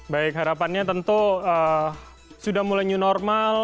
baik harapannya tentu sudah mulai new normal